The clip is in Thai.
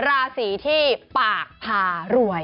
ราศีที่ปากพารวย